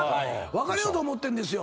「別れようと思ってるんですよ。